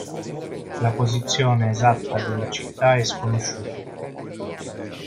La posizione esatta della città è sconosciuta.